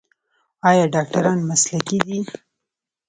آیا ډاکټران مسلکي دي؟